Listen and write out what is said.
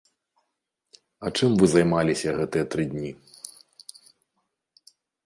А чым вы займаліся гэтыя тры дні?